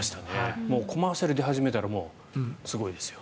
コマーシャルに出始めたらもうすごいですよ。